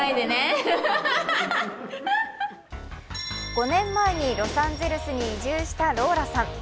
５年前にロサンゼルスに移住したローラさん。